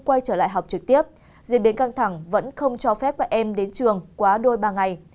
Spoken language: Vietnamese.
quay trở lại học trực tiếp diễn biến căng thẳng vẫn không cho phép các em đến trường quá đôi ba ngày